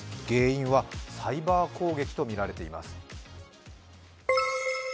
原因はサイバー攻撃とみられています。